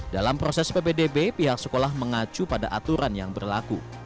dalam proses ppdb pihak sekolah mengacu pada aturan yang berlaku